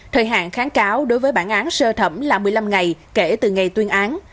thời hạn kháng cáo đối với bản án sơ thẩm là một mươi năm ngày kể từ ngày tuyên án